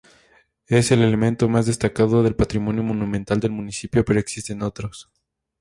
Es el elemento más destacado del patrimonio monumental del municipio, pero existen otros.